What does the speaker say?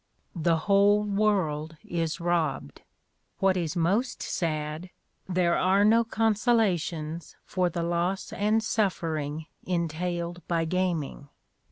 The whole world is robbed! What is most sad, there are no consolations for the loss and suffering entailed by gaming.